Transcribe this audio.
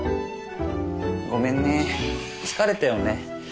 ごめんね疲れたよね。